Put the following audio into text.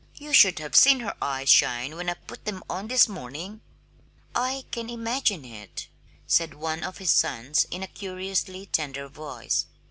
"You should have seen her eyes shine when I put them on this morning!" "I can imagine it," said one of his sons in a curiously tender voice.